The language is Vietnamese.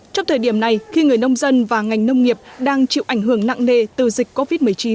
trong thời điểm này khi người nông dân và ngành nông nghiệp đang chịu ảnh hưởng nặng nề từ dịch covid một mươi chín